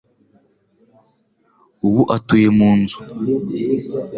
Ubu atuye mu nzu.